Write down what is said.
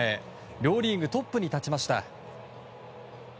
両リーグトップに立ちました。